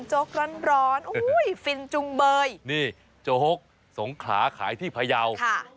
โจ๊กร้อนร้อนอุ้ยฟินจุงเบยนี่โจ๊กสงขลาขายที่พยาวค่ะ